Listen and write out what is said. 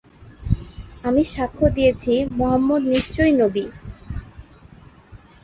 আমি সাক্ষ্য দিয়েছি, মুহাম্মাদ নিশ্চয়ই নবী।